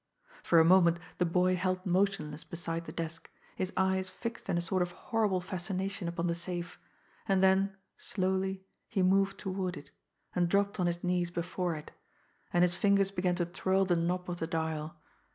For a moment the boy held motionless beside the desk, his eyes fixed in a sort of horrible fascination upon the safe and then, slowly, he moved toward it, and dropped on his knees before it, and his fingers began to twirl the knob of the dial.